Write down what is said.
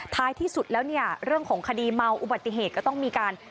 ท้ายที่สุดแล้วเนี่ยเรื่องของคดีเมาอุบัติเหตุก็ต้องมีการ